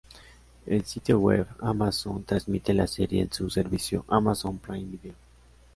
El sitio web "Amazon" transmite la serie en su servicio Amazon Prime Video.